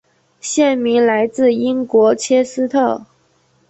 县名来自英国切斯特。